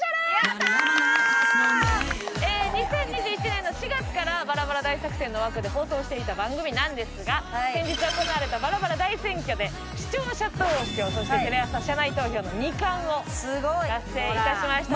２０２１年の４月からバラバラ大作戦の枠で放送していた番組なんですが先日行われたバラバラ大選挙で視聴者投票そしてテレ朝社内投票の二冠を達成いたしました。